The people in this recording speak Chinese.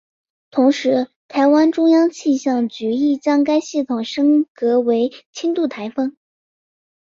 同时台湾中央气象局亦将该系统升格为轻度台风。